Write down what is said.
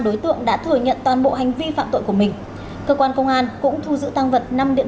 đối tượng đã thừa nhận toàn bộ hành vi phạm tội của mình cơ quan công an cũng thu giữ tăng vật năm điện